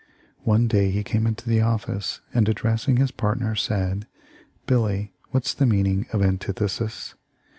One day he came into the office and addressing his partner, said: 'Billy, what's the mean ing of antithesis?'